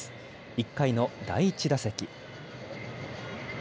１回の第１打席。